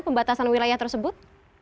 pembatasan wilayah tersebut